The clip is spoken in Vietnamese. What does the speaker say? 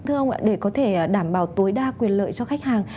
thưa ông ạ để có thể đảm bảo tối đa quyền lợi cho khách hàng